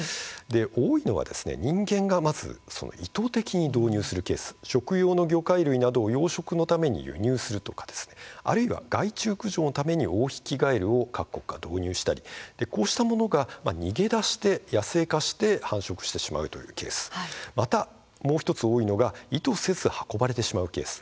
多いのは人間が意図的に導入するケース食用の魚介類などの養殖のために輸入するとかあるいは害虫駆除のためにオオヒキガエルを導入したりこうしたものが逃げ出して野生化して繁殖してしまうというケースまたもう１つ多いのが意図せず運ばれてしまうケース